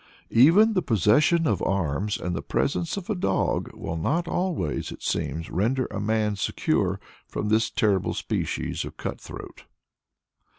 Even the possession of arms and the presence of a dog will not always, it seems, render a man secure from this terrible species of cut throat.